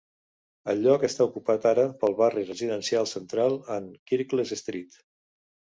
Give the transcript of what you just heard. El lloc està ocupat ara pel barri residencial centrat en Kirklees Street.